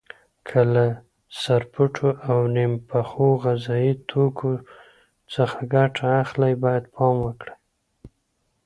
که له سرپټو او نیم پخو غذایي توکو څخه ګټه اخلئ باید پام وکړئ.